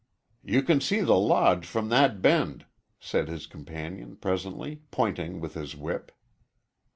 "You can see the Lodge from that bend," said his companion, presently, pointing with his whip.